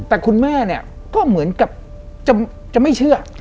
แต่คุณแม่เนี่ยก็เหมือนกับจะไม่เชื่อ